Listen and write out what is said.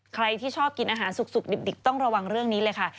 ใครที่ชอบกินอาหารสุกดิบต้องระวังเรื่องนี้เลยค่ะ